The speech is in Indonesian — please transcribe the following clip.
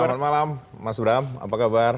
selamat malam mas bram apa kabar